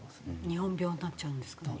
日本病になっちゃうんですか？